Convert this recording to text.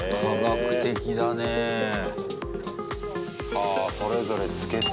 はぁそれぞれつけて。